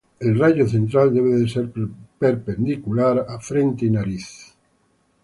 El "rayo central" debe ser perpendicular a frente y nariz.